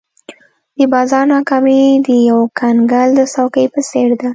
د بازار ناکامي د یو کنګل د څوکې په څېر ده.